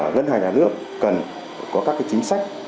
ngân hàng nhà nước cần có các chính sách